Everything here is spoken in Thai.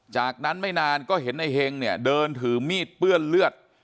จากนั้นไม่นานก็เห็นในเฮงเนี่ยเดินถือมีดเปื้อนเลือด